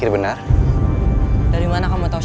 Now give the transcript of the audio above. itu jenayah darkroom eduard